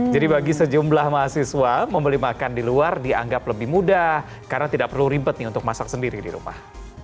jadi bagi sejumlah mahasiswa membeli makan di luar dianggap lebih mudah karena tidak perlu ribet untuk masak sendiri di rumah